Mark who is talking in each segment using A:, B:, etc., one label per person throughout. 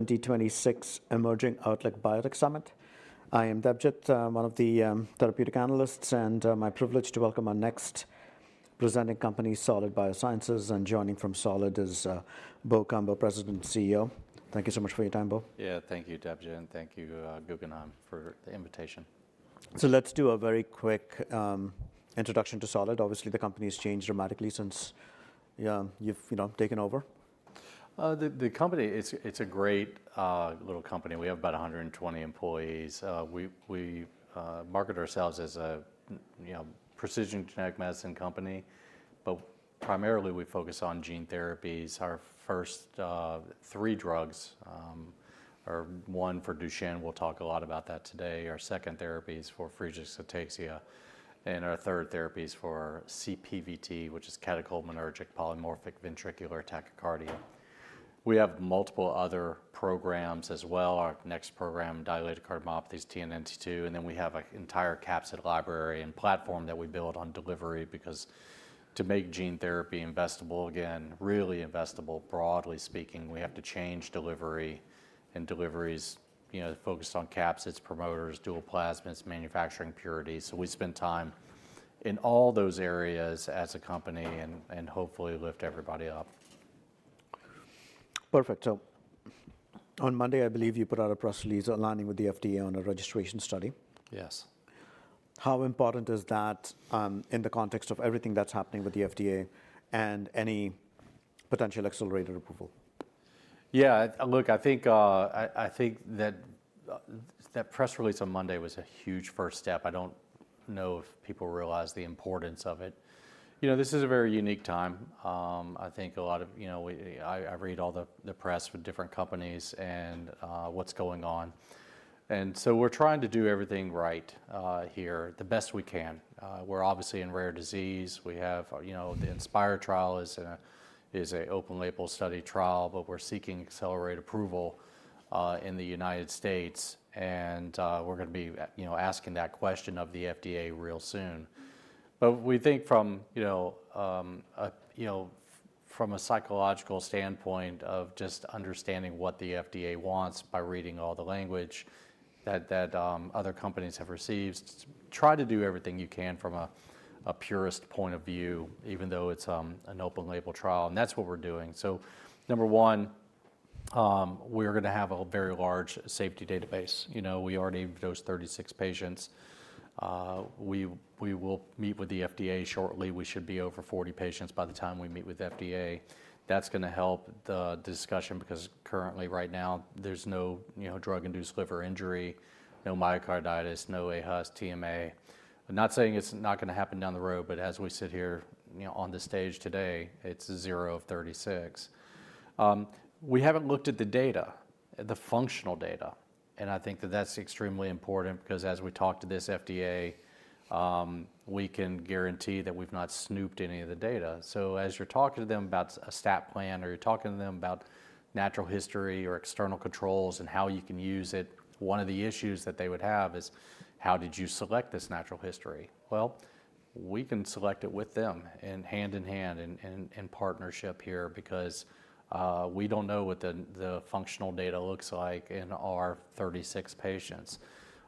A: Twenty twenty six Emerging Outlook Biotech Summit. I am Debjit. I'm one of the therapeutic analysts, and my privilege to welcome our next presenting company, Solid Biosciences. Joining from Solid is Bo Cumbo, President and CEO. Thank you so much for your time, Bo.
B: Yeah, thank you, Debjit, and thank you, Guggenheim, for the invitation.
A: Let's do a very quick introduction to Solid. Obviously, the company has changed dramatically since you've, you know, taken over.
B: The company, it's a great little company. We have about 120 employees. We market ourselves as a, you know, precision genetic medicine company, but primarily, we focus on gene therapies. Our first three drugs are one for Duchenne, we'll talk a lot about that today. Our second therapy is for Friedreich's ataxia, and our third therapy is for CPVT, which is catecholaminergic polymorphic ventricular tachycardia. We have multiple other programs as well. Our next program, dilated cardiomyopathies, TNNT2, and then we have, like, an entire capsid library and platform that we built on delivery, because to make gene therapy investable again, really investable, broadly speaking, we have to change delivery, and delivery is, you know, focused on capsids, promoters, dual plasmids, manufacturing purity. So we spend time in all those areas as a company and hopefully lift everybody up.
A: Perfect. So on Monday, I believe you put out a press release aligning with the FDA on a registration study.
B: Yes.
A: How important is that, in the context of everything that's happening with the FDA and any potential accelerated approval?
B: Yeah, look, I think that press release on Monday was a huge first step. I don't know if people realize the importance of it. You know, this is a very unique time. I think a lot of you know, I've read all the press with different companies and what's going on, and so we're trying to do everything right here, the best we can. We're obviously in rare disease. We have, you know, the INSPIRE trial is an open-label study trial, but we're seeking accelerated approval in the United States and we're gonna be you know, asking that question of the FDA real soon. But we think from, you know, a, you know, from a psychological standpoint of just understanding what the FDA wants by reading all the language that other companies have received, try to do everything you can from a purist point of view, even though it's an open label trial, and that's what we're doing. So number one, we're gonna have a very large safety database. You know, we already dosed 36 patients. We will meet with the FDA shortly. We should be over 40 patients by the time we meet with FDA. That's gonna help the discussion, because currently, right now, there's no, you know, drug-induced liver injury, no myocarditis, no aHUS, TMA. I'm not saying it's not gonna happen down the road, but as we sit here, you know, on the stage today, it's zero of 36. We haven't looked at the data, at the functional data, and I think that that's extremely important because as we talk to this FDA, we can guarantee that we've not snooped any of the data. So as you're talking to them about a stat plan, or you're talking to them about natural history or external controls and how you can use it, one of the issues that they would have is: How did you select this natural history? Well, we can select it with them hand in hand in partnership here, because we don't know what the functional data looks like in our 36 patients,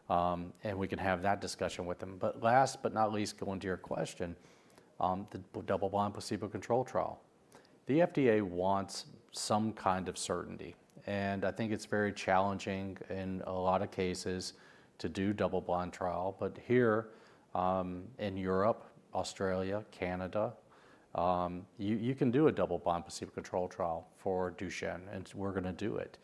B: and we can have that discussion with them. But last but not least, going to your question, the double-blind, placebo-controlled trial. The FDA wants some kind of certainty, and I think it's very challenging in a lot of cases to do double-blind trial. But here, in Europe, Australia, Canada, you can do a double-blind, placebo-controlled trial for Duchenne, and we're gonna do it.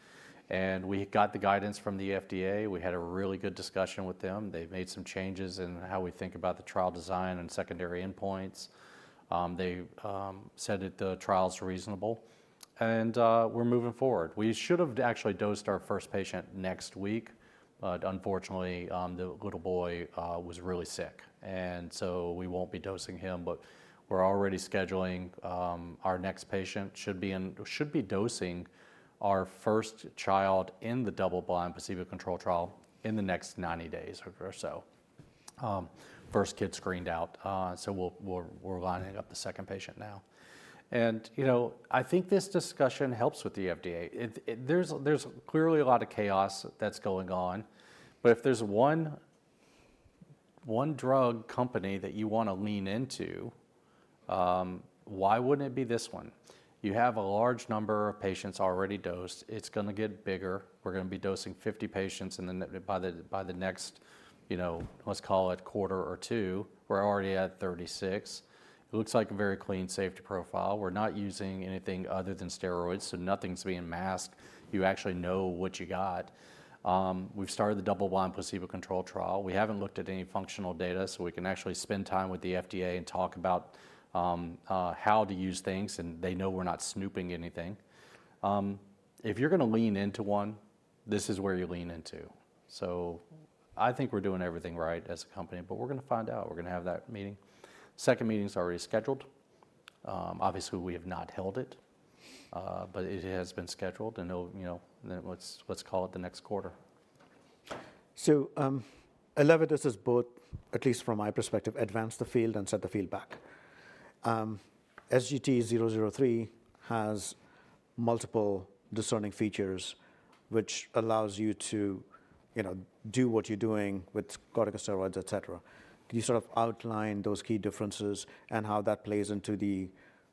B: And we got the guidance from the FDA. We had a really good discussion with them. They've made some changes in how we think about the trial design and secondary endpoints. They said that the trial is reasonable, and we're moving forward. We should have actually dosed our first patient next week, but unfortunately, the little boy was really sick, and so we won't be dosing him, but we're already scheduling our next patient. Should be dosing our first child in the double-blind, placebo-controlled trial in the next 90 days or so. First kid screened out, so we're lining up the second patient now. And, you know, I think this discussion helps with the FDA. There's clearly a lot of chaos that's going on, but if there's one drug company that you wanna lean into, why wouldn't it be this one? You have a large number of patients already dosed. It's gonna get bigger. We're gonna be dosing 50 patients, and then by the next, you know, let's call it quarter or two, we're already at 36. It looks like a very clean safety profile. We're not using anything other than steroids, so nothing's being masked. You actually know what you got. We've started the double-blind, placebo-controlled trial. We haven't looked at any functional data, so we can actually spend time with the FDA and talk about how to use things, and they know we're not snooping anything. If you're gonna lean into one, this is where you lean into. So I think we're doing everything right as a company, but we're gonna find out. We're gonna have that meeting. Second meeting is already scheduled. Obviously, we have not held it, but it has been scheduled, and it'll, you know, let's, let's call it the next quarter.
A: So, ELEVIDYS has both, at least from my perspective, advanced the field and set the field back. SGT-003 has multiple discerning features, which allows you to, you know, do what you're doing with corticosteroid, et cetera. Can you sort of outline those key differences and how that plays into the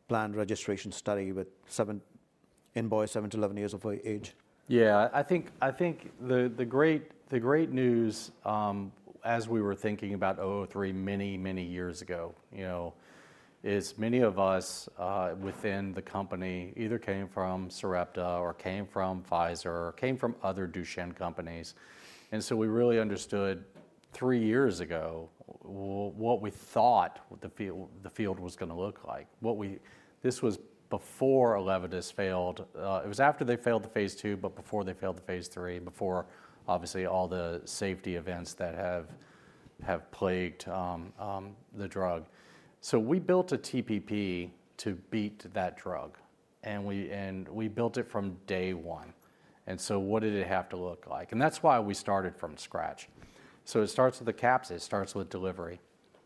A: planned registration study in boys 7 to 11 years of age?
B: Yeah, I think the great news, as we were thinking about 003 many years ago, you know, is many of us within the company either came from Sarepta or came from Pfizer, or came from other Duchenne companies. And so we really understood 3 years ago what we thought the field was gonna look like. This was before ELEVIDYS failed. It was after they failed the phase II, but before they failed the phase III, before obviously all the safety events that have plagued the drug. So we built a TPP to beat that drug, and we built it from day one. And so what did it have to look like? And that's why we started from scratch. So it starts with the capsid, it starts with delivery.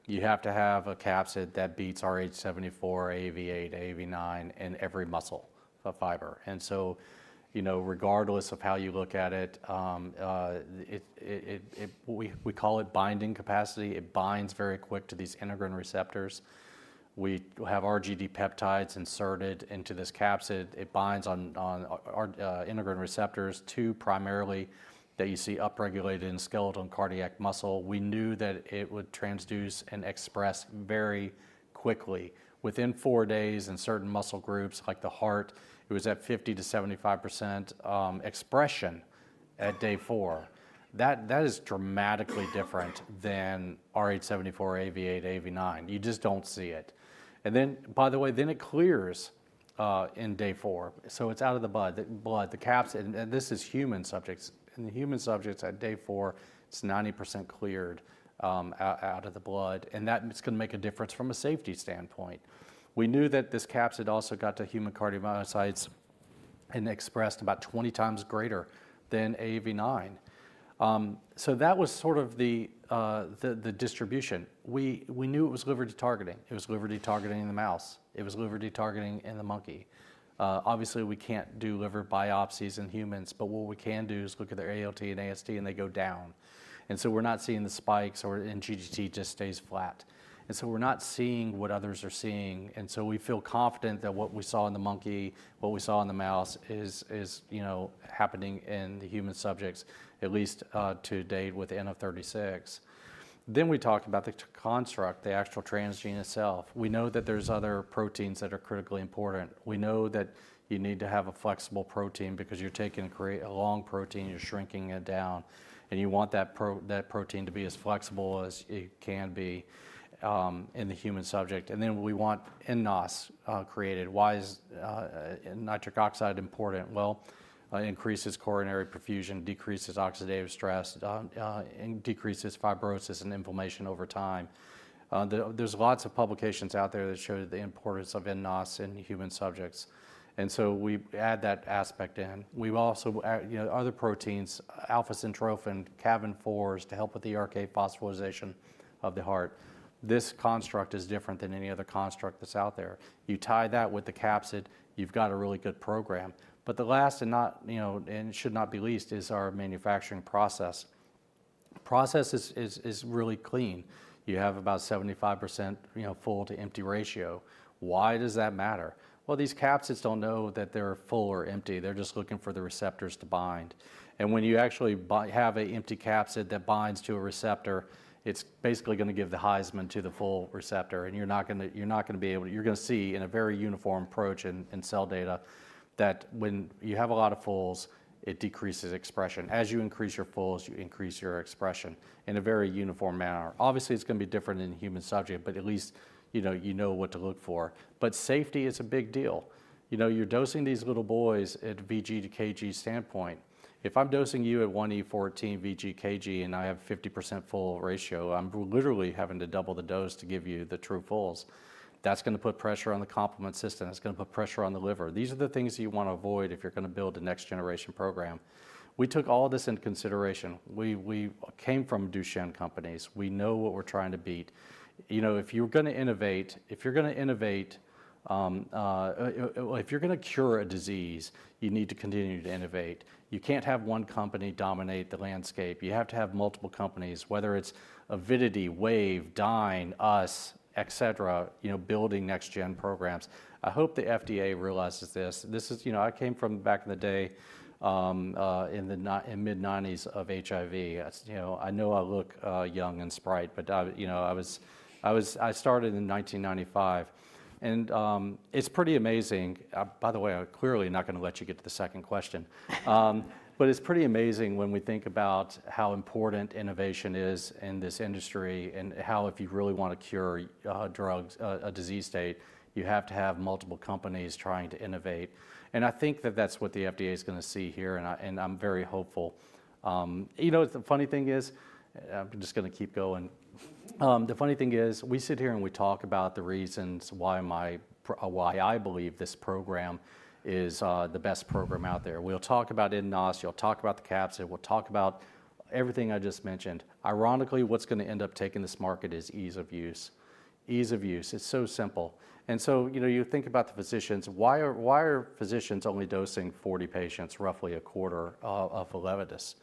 B: You have to have a capsid that beats rh74, AAV8, AAV9 in every muscle fiber. And so, you know, regardless of how you look at it, we call it binding capacity. It binds very quick to these integrin receptors. We have RGD peptides inserted into this capsid. It binds on integrin receptors to primarily, that you see upregulated in skeletal and cardiac muscle. We knew that it would transduce and express very quickly. Within four days in certain muscle groups, like the heart, it was at 50%-75% expression at day four. That is dramatically different than rh74, AAV8, AAV9. You just don't see it. And then, by the way, then it clears in day four, so it's out of the blood. The capsid. And this is human subjects. In the human subjects at day 4, it's 90% cleared out of the blood, and that is gonna make a difference from a safety standpoint. We knew that this capsid also got to human cardiomyocytes and expressed about 20 times greater than AAV9. So that was sort of the distribution. We knew it was liver retargeting. It was liver retargeting in the mouse. It was liver retargeting in the monkey. Obviously, we can't do liver biopsies in humans, but what we can do is look at their ALT and AST, and they go down. And so we're not seeing the spikes, or GGT just stays flat, and so we're not seeing what others are seeing. So we feel confident that what we saw in the monkey, what we saw in the mouse is, you know, happening in the human subjects, at least, to date, with N of 36. We talked about the construct, the actual transgene itself. We know that there's other proteins that are critically important. We know that you need to have a flexible protein because you're taking a long protein, you're shrinking it down, and you want that protein to be as flexible as it can be, in the human subject. We want nNOS created. Why is nitric oxide important? Well, it increases coronary perfusion, decreases oxidative stress, and decreases fibrosis and inflammation over time. There's lots of publications out there that show the importance of nNOS in human subjects, and so we add that aspect in. We've also add, you know, other proteins, alpha-syntrophin, caveolin-4 to help with the ERK phosphorylation of the heart. This construct is different than any other construct that's out there. You tie that with the capsid, you've got a really good program. But the last, and not, you know, and should not be least, is our manufacturing process. Process is really clean. You have about 75%, you know, full-to-empty ratio. Why does that matter? Well, these capsids don't know that they're full or empty. They're just looking for the receptors to bind. And when you actually have an empty capsid that binds to a receptor, it's basically gonna give the Heisman to the full receptor, and you're not gonna be able to—you're gonna see in a very uniform approach in cell data, that when you have a lot of fulls, it decreases expression. As you increase your fulls, you increase your expression in a very uniform manner. Obviously, it's gonna be different in human subject, but at least you know, you know what to look for. But safety is a big deal. You know, you're dosing these little boys at VG/kg standpoint. If I'm dosing you at 1E14 VG/kg, and I have 50% full ratio, I'm literally having to double the dose to give you the true fulls. That's gonna put pressure on the complement system. That's gonna put pressure on the liver. These are the things you want to avoid if you're gonna build a next-generation program. We took all this into consideration. We, we came from Duchenne companies. We know what we're trying to beat. You know, if you're gonna innovate, if you're gonna innovate. If you're gonna cure a disease, you need to continue to innovate. You can't have one company dominate the landscape. You have to have multiple companies, whether it's Avidity, Wave, Dyne, us, et cetera, you know, building next gen programs. I hope the FDA realizes this. This is. You know, I came from back in the day, in mid-1990s of HIV. As you know, I know I look young and spry, but, you know, I was. I started in 1995, and, it's pretty amazing. By the way, I'm clearly not gonna let you get to the second question. But it's pretty amazing when we think about how important innovation is in this industry and how if you really want to cure a disease state, you have to have multiple companies trying to innovate. And I think that that's what the FDA is gonna see here, and I'm very hopeful. You know what the funny thing is? I'm just gonna keep going.... The funny thing is, we sit here and we talk about the reasons why I believe this program is the best program out there. We'll talk about nNOS, you'll talk about the capsid, we'll talk about everything I just mentioned. Ironically, what's gonna end up taking this market is ease of use. Ease of use, it's so simple. So, you know, you think about the physicians: Why are physicians only dosing 40 patients, roughly a quarter of ELEVIDYS?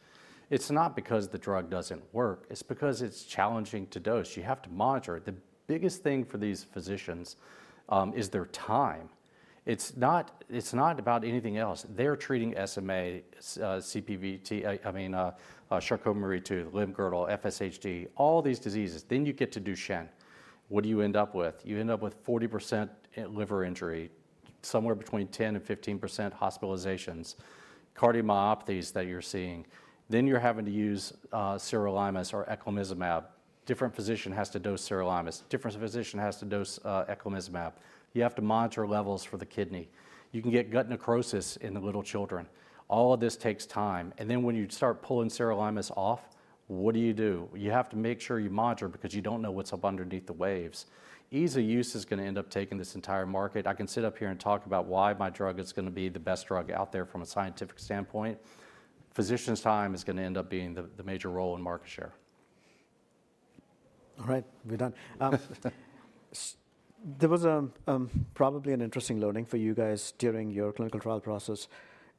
B: It's not because the drug doesn't work, it's because it's challenging to dose. You have to monitor it. The biggest thing for these physicians is their time. It's not, it's not about anything else. They're treating SMA, CPVT, I mean, Charcot-Marie-Tooth, limb-girdle, FSHD, all these diseases, then you get to Duchenne. What do you end up with? You end up with 40% liver injury, somewhere between 10% and 15% hospitalizations, cardiomyopathies that you're seeing. Then you're having to use sirolimus or eculizumab. Different physician has to dose sirolimus. Different physician has to dose eculizumab. You have to monitor levels for the kidney. You can get gut necrosis in the little children. All of this takes time. And then when you start pulling sirolimus off, what do you do? You have to make sure you monitor because you don't know what's up underneath the waves. Ease of use is gonna end up taking this entire market. I can sit up here and talk about why my drug is gonna be the best drug out there from a scientific standpoint. Physician's time is gonna end up being the, the major role in market share.
A: All right, we're done. There was probably an interesting learning for you guys during your clinical trial process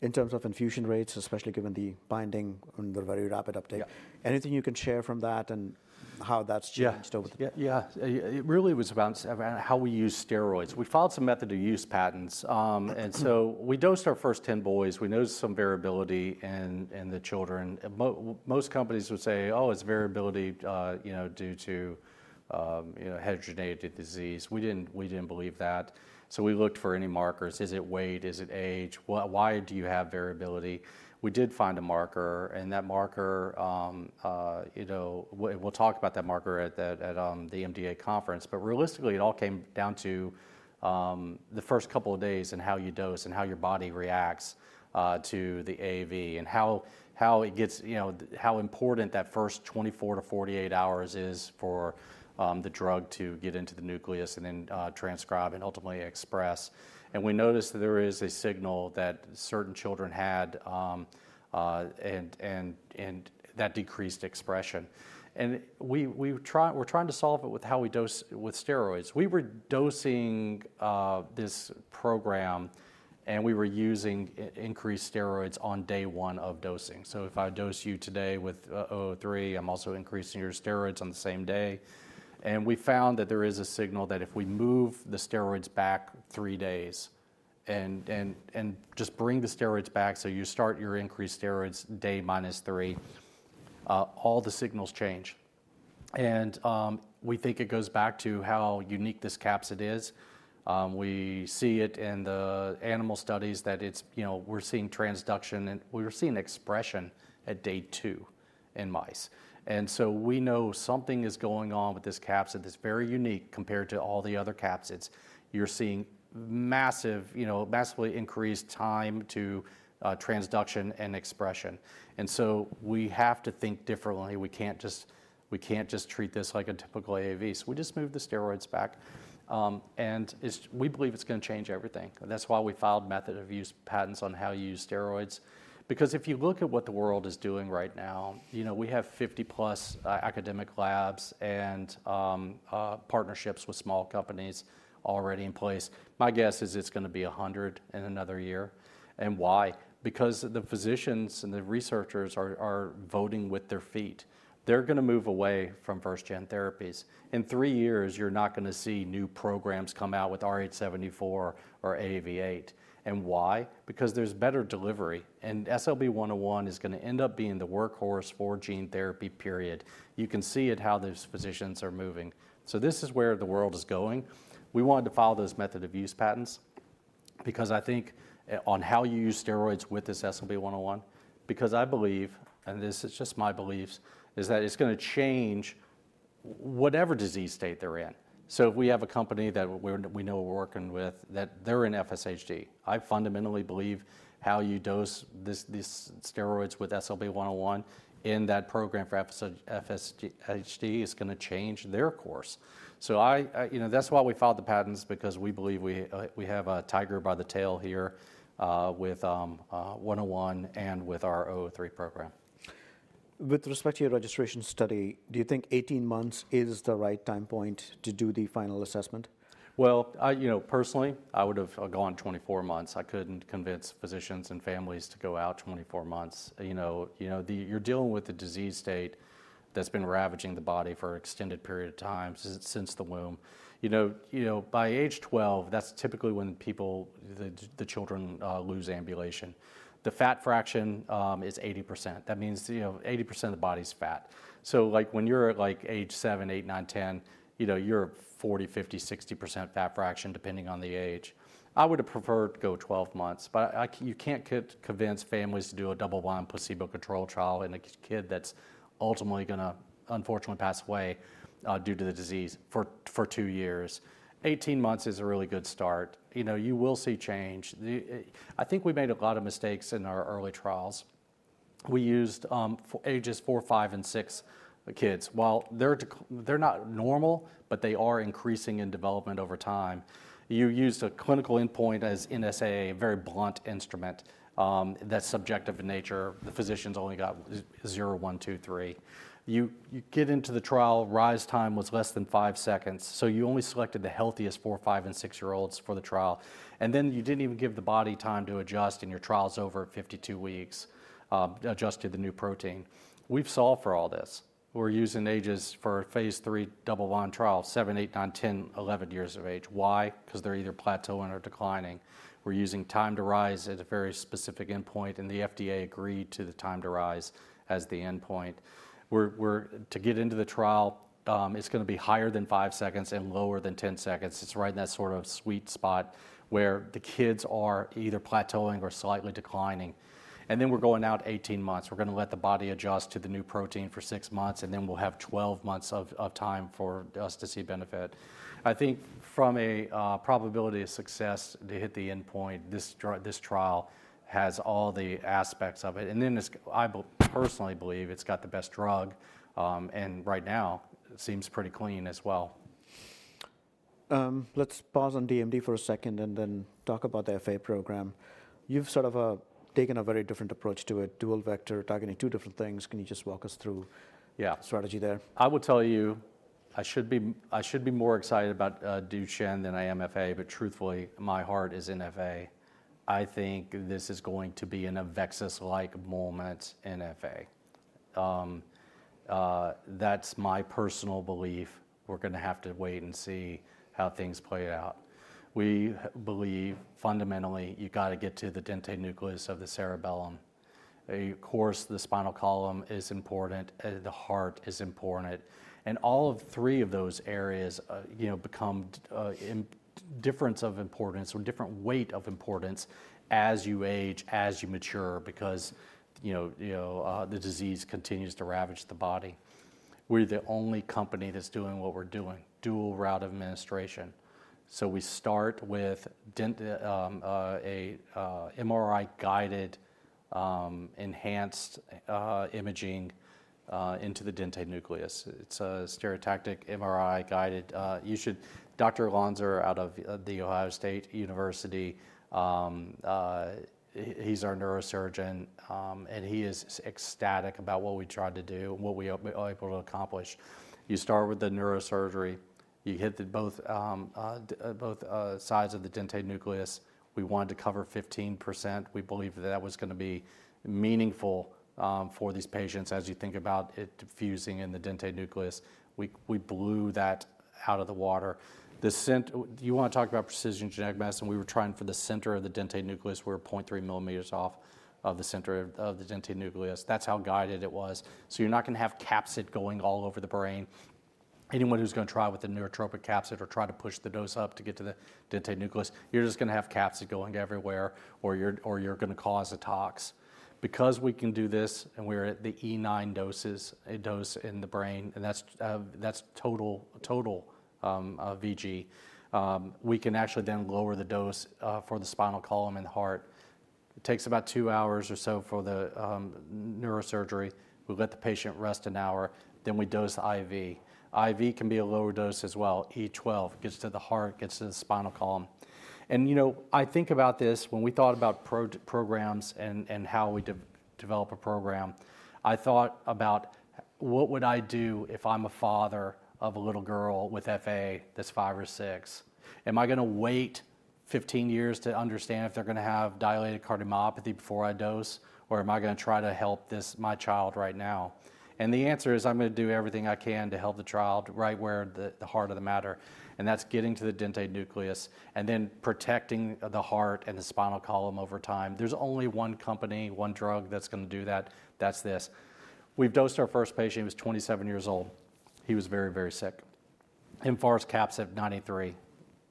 A: in terms of infusion rates, especially given the binding and the very rapid uptake.
B: Yeah.
A: Anything you can share from that and how that's changed over the...?
B: Yeah. Yeah, it really was about how we use steroids. We filed some method to use patents. And so we dosed our first 10 boys. We noticed some variability in the children. And most companies would say: "Oh, it's variability, you know, due to, you know, heterogeneity disease." We didn't, we didn't believe that, so we looked for any markers. Is it weight? Is it age? Why do you have variability? We did find a marker, and that marker, you know, we'll, we'll talk about that marker at the MDA conference. But realistically, it all came down to the first couple of days and how you dose, and how your body reacts to the AAV, and how it gets, you know, how important that first 24-48 hours is for the drug to get into the nucleus and then transcribe and ultimately express. And we noticed that there is a signal that certain children had that decreased expression. And we're trying to solve it with how we dose with steroids. We were dosing this program, and we were using increased steroids on day one of dosing. So if I dose you today with SGT-003, I'm also increasing your steroids on the same day. We found that there is a signal that if we move the steroids back 3 days and just bring the steroids back, so you start your increased steroids day minus three, all the signals change. We think it goes back to how unique this capsid is. We see it in the animal studies that it's you know, we're seeing transduction, and we're seeing expression at day 2 in mice. And so we know something is going on with this capsid that's very unique compared to all the other capsids. You're seeing massive, you know, massively increased time to transduction and expression, and so we have to think differently. We can't just treat this like a typical AAV, so we just moved the steroids back. We believe it's gonna change everything, and that's why we filed method of use patents on how you use steroids. Because if you look at what the world is doing right now, you know, we have 50+ academic labs and partnerships with small companies already in place. My guess is it's gonna be 100 in another year. And why? Because the physicians and the researchers are voting with their feet. They're gonna move away from first gen therapies. In three years, you're not gonna see new programs come out with rh74 or AAV8. And why? Because there's better delivery, and SLB101 is gonna end up being the workhorse for gene therapy, period. You can see it, how these physicians are moving. So this is where the world is going. We wanted to file those method of use patents, because I think, on how you use steroids with this SLB101, because I believe, and this is just my beliefs, is that it's gonna change whatever disease state they're in. So if we have a company that we're, we know we're working with, that they're in FSHD. I fundamentally believe how you dose this, these steroids with SLB101 in that program for FSHD is gonna change their course. So you know, that's why we filed the patents, because we believe we, we have a tiger by the tail here, with 101 and with our 003 program.
A: With respect to your registration study, do you think 18 months is the right time point to do the final assessment?
B: Well, you know, personally, I would have gone 24 months. I couldn't convince physicians and families to go out 24 months. You know, you're dealing with a disease state that's been ravaging the body for extended period of time, since the womb. You know, by age 12, that's typically when people, the children, lose ambulation. The fat fraction is 80%. That means, you know, 80% of the body is fat. So, like, when you're at, like, age 7, 8, 9, 10, you know, you're 40%, 50%, 60% fat fraction, depending on the age. I would have preferred to go 12 months, but you can't convince families to do a double blind placebo-controlled trial in a kid that's ultimately gonna, unfortunately, pass away due to the disease for 2 years. Eighteen months is a really good start. You know, you will see change. The, I think we made a lot of mistakes in our early trials. We used for ages 4, 5, and 6 kids. While they're they're not normal, but they are increasing in development over time. You used a clinical endpoint as NSAA, a very blunt instrument, that's subjective in nature. The physicians only got zero, one, two, three. You get into the trial, rise time was less than 5 seconds, so you only selected the healthiest 4-, 5-, and 6-year-olds for the trial, and then you didn't even give the body time to adjust, and your trial's over at 52 weeks, adjust to the new protein. We've solved for all this. We're using ages for phase III double-blind trial, 7, 8, 9, 10, 11 years of age. Why? Because they're either plateauing or declining. We're using time to rise at a very specific endpoint, and the FDA agreed to the time to rise as the endpoint. To get into the trial, it's gonna be higher than 5 seconds and lower than 10 seconds. It's right in that sort of sweet spot where the kids are either plateauing or slightly declining, and then we're going out 18 months. We're gonna let the body adjust to the new protein for 6 months, and then we'll have 12 months of time for us to see benefit. I think from a probability of success to hit the endpoint, this trial has all the aspects of it, and then this... I personally believe it's got the best drug, and right now, seems pretty clean as well.
A: Let's pause on DMD for a second and then talk about the FA program. You've sort of taken a very different approach to it, dual vector, targeting two different things. Can you just walk us through-
B: Yeah...
A: strategy there?
B: I will tell you, I should be, I should be more excited about Duchenne than I am FA, but truthfully, my heart is in FA. I think this is going to be an AveXis-like moment in FA. That's my personal belief. We're gonna have to wait and see how things play out. We believe fundamentally, you got to get to the dentate nucleus of the cerebellum. Of course, the spinal column is important, the heart is important, and all of three of those areas, you know, become in difference of importance or different weight of importance as you age, as you mature, because, you know, you know, the disease continues to ravage the body. We're the only company that's doing what we're doing, dual route of administration. So we start with a MRI-guided enhanced imaging into the dentate nucleus. It's a stereotactic, MRI-guided. Dr. Lonser, out of the Ohio State University, he's our neurosurgeon, and he is ecstatic about what we tried to do and what we are able to accomplish. You start with the neurosurgery. You hit both sides of the dentate nucleus. We wanted to cover 15%. We believed that was gonna be meaningful for these patients, as you think about it diffusing in the dentate nucleus. We blew that out of the water. You wanna talk about precision genetic medicine, we were trying for the center of the dentate nucleus. We were 0.3 millimeters off of the center of the dentate nucleus. That's how guided it was. So you're not gonna have capsid going all over the brain. Anyone who's gonna try with the neurotropic capsid or try to push the dose up to get to the dentate nucleus, you're just gonna have capsid going everywhere, or you're gonna cause a tox. Because we can do this, and we're at the E9 doses, dose in the brain, and that's total VG. We can actually then lower the dose for the spinal column and the heart. It takes about two hours or so for the neurosurgery. We let the patient rest an hour, then we dose IV. IV can be a lower dose as well, E12, gets to the heart, gets to the spinal column. You know, I think about this, when we thought about programs and how we develop a program, I thought about: What would I do if I'm a father of a little girl with FA that's 5 or 6? Am I gonna wait 15 years to understand if they're gonna have dilated cardiomyopathy before I dose, or am I gonna try to help this, my child right now? And the answer is, I'm gonna do everything I can to help the child right where the heart of the matter, and that's getting to the dentate nucleus and then protecting the heart and the spinal column over time. There's only one company, one drug that's gonna do that. That's this. We've dosed our first patient. He was 27 years old. He was very, very sick. mFARS capsid, 93.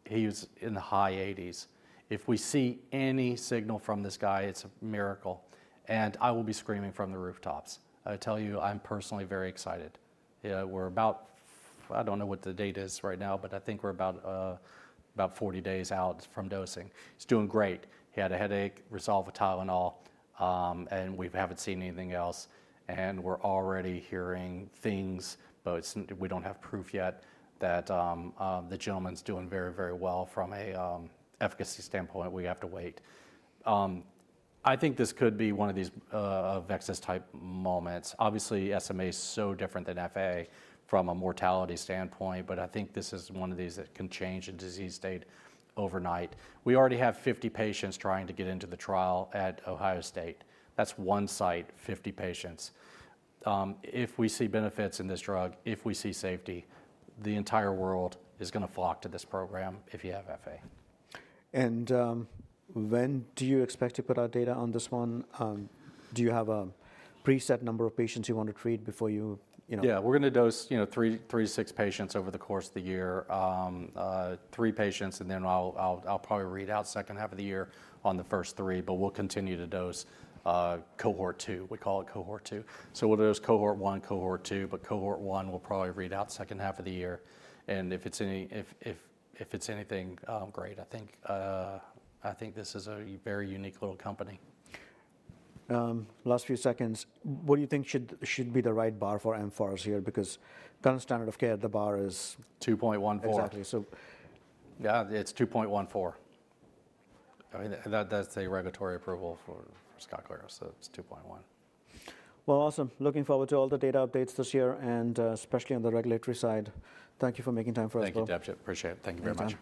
B: He was in the high 80s. If we see any signal from this guy, it's a miracle, and I will be screaming from the rooftops. I tell you, I'm personally very excited. Yeah, we're about... I don't know what the date is right now, but I think we're about 40 days out from dosing. He's doing great. He had a headache, resolved with Tylenol, and we haven't seen anything else, and we're already hearing things, but it's we don't have proof yet, that the gentleman's doing very, very well from an efficacy standpoint. We have to wait. I think this could be one of these AveXis type moments. Obviously, SMA is so different than FA from a mortality standpoint, but I think this is one of these that can change a disease state overnight. We already have 50 patients trying to get into the trial at Ohio State. That's one site, 50 patients. If we see benefits in this drug, if we see safety, the entire world is gonna flock to this program if you have FA.
A: When do you expect to put out data on this one? Do you have a preset number of patients you want to treat before you, you know?
B: Yeah, we're gonna dose, you know, 3 to 6 patients over the course of the year. Three patients, and then I'll probably read out second half of the year on the first three, but we'll continue to dose cohort two. We call it cohort two. So we'll dose cohort one, cohort two, but cohort one will probably read out the second half of the year. And if it's anything great, I think this is a very unique little company.
A: Last few seconds, what do you think should be the right bar for mFARS here? Because current standard of care, the bar is-
B: 2.14.
A: Exactly, so.
B: Yeah, it's 2.14. I mean, that, that's a regulatory approval for SKYCLARYS, so it's 2.1.
A: Well, awesome. Looking forward to all the data updates this year and, especially on the regulatory side. Thank you for making time for us.
B: Thank you, Debjit. Appreciate it. Thank you very much.